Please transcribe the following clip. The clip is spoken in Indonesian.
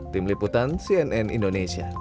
tim liputan cnn indonesia